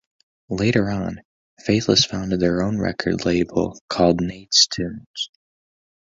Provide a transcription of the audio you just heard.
Later on, Faithless founded their own record label called Nate's Tunes.